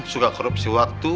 suka korupsi waktu